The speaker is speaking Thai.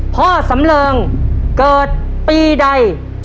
พ่อสำเริงเกิดปีใด